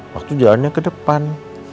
waktu jalannya ke depan